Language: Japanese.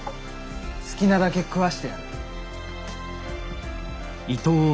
好きなだけ食わしてやる。